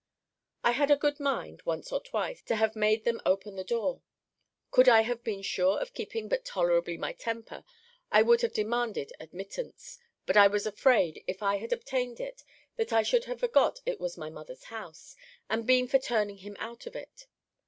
I had a good mind, once or twice, to have made them open the door. Could I have been sure of keeping but tolerably my temper, I would have demanded admittance. But I was afraid, if I had obtained it, that I should have forgot it was my mother's house, and been for turning him out of it.